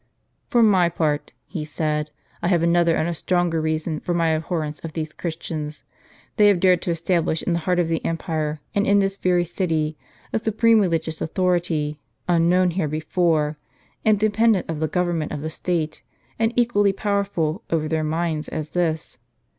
"For my part," he said, "I have another and a stronger reason for my abhon ence of these Christians. They have dared to establish in the heart of the empire, and in this very city, a supreme religious authority, unknown here before, independent of tlie government of the State, and equally pow erful over their minds as this.